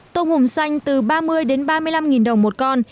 tôm hùm xanh từ ba mươi đến ba mươi năm đồng một con